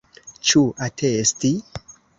Ĉu atesti?